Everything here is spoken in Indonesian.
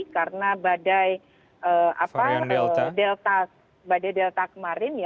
karena badai delta kemarin